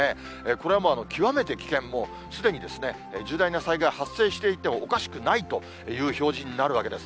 これは極めて危険、もうすでに重大な災害が発生していてもおかしくないという表示になるわけです。